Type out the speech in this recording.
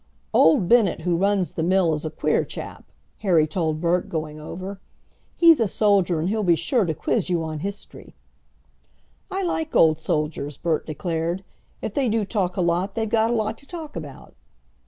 "Old Bennett who runs the mill is a queer chap," Harry told Bert going over; "he's a soldier, and he'll be sure to quiz you on history." "I like old soldiers," Bert declared; "if they do talk a lot, they've got a lot to talk about."